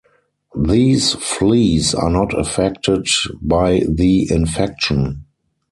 These fleas are not affected by the infection.